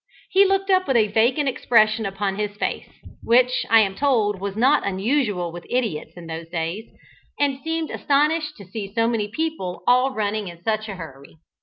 He looked up with a vacant expression upon his face (which I am told was not unusual with idiots in those days) and seemed astonished to see so many people all running in such a hurry.